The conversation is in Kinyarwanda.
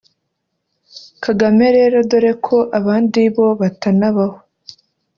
Kagame rero doreko abandi bo batanabaho